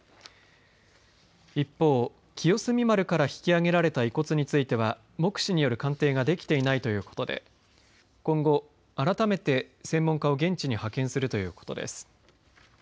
一方、清澄丸から引き揚げられた遺骨については目視による鑑定ができていないということで今後、改めて専門家を現地に派遣するということです。